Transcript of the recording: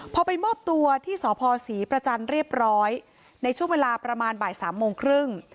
พอไปมอบตัวที่สพศรีประจันทร์เรียบร้อยในช่วงเวลาประมาณบ่ายสามโมงครึ่ง